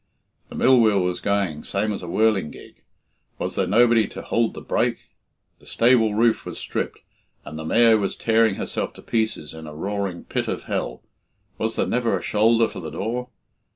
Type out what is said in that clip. The mill wheel was going same as a "whirlingig" was there nobody to "hould the brake?" The stable roof was stripped, and the mare was tearing herself to pieces in a roaring "pit of hell" was there never a shoulder for the door?